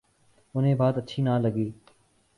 انہیں بات اچھی نہ لگی۔